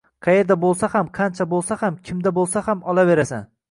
Qayerda bo’lsa ham, qancha bo’lsa ham, kimdan bo’lsa ham olaverasan!